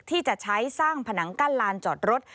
ที่จะใช้สร้างผนังกั้นลานจอดรถ